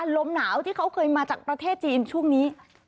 ลมหนาวที่เขาเคยมาจากประเทศจีนช่วงนี้